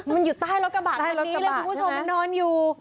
มันอยู่ใต้รถกระบะคันนี้เลยคุณผู้ชมมันนอนอยู่